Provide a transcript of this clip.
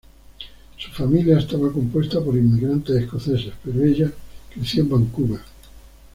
Su familia estaba compuesta por inmigrantes escoceses pero ella creció en Vancouver.